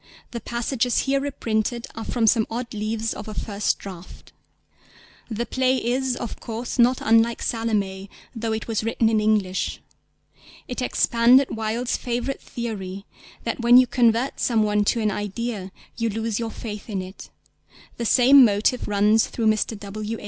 The passages here reprinted are from some odd leaves of a first draft. The play is, of course, not unlike Salomé, though it was written in English. It expanded Wilde's favourite theory that when you convert some one to an idea, you lose your faith in it; the same motive runs through _Mr. W.